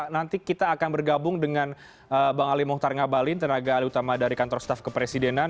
nanti kita akan bergabung dengan bang ali mohtar ngabalin tenaga ali utama dari kantor staf kepresidenan